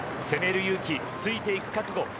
攻める勇気、ついていく覚悟